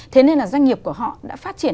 thế nên là doanh nghiệp của họ đã phát triển